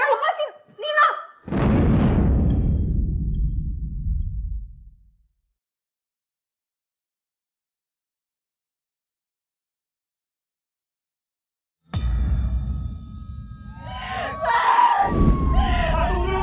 kok bakal dro para kom sehen